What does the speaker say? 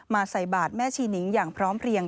ใส่บาทแม่ชีนิงอย่างพร้อมเพลียง